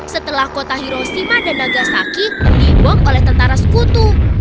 setelah kota hiroshima dan nagasaki dibom oleh tentara sekutu